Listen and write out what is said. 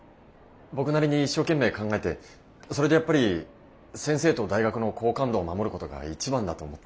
僕なりに一生懸命考えてそれでやっぱり先生と大学の好感度を守ることが一番だと思ったんですよ。